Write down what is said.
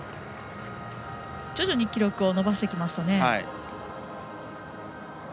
徐々に記録を伸ばしてきましたね。